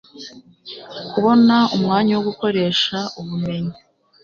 kubona umwanya wo gukoresha ubumenyi